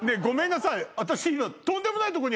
ごめんなさい。